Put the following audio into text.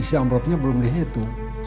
isi amrotnya belum dihitung